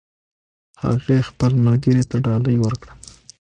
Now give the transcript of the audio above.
هغې خپل ملګري ته ډالۍ ورکړه